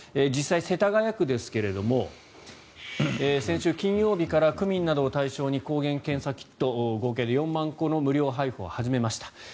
実際、世田谷区ですが先週金曜日から区民などを対象に抗原検査キット、合計４万個の無料配布を始めました。